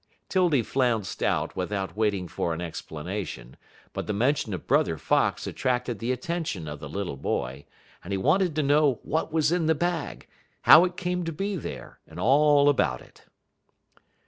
'Tildy flounced out without waiting for an explanation, but the mention of Brother Fox attracted the attention of the little boy, and he wanted to know what was in the bag, how it came to be there, and all about it.